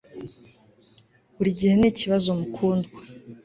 Burigihe nikibazo mukundwa